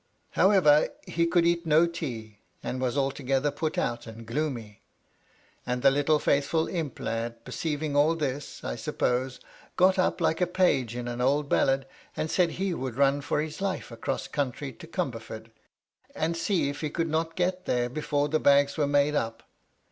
However, he could eat no tea, and was altogether put out and gloomy. And the little faithful imp lad, perceiving all thisj I suppose, got up like a page in an old ballad, and said he would run for his life across country to Comberford, and see if he could not get there before the bags were made up.